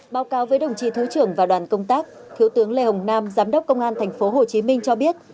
báo cáo với đồng chí thứ trưởng và đoàn công tác thiếu tướng lê hồng nam giám đốc công an tp hcm cho biết